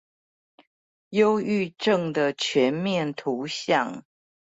憂鬱症的全面圖像